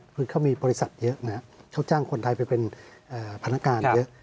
คือเขามีบริษัทเยอะนะครับเขาจ้างคนไทยไปเป็นพนักงานเยอะ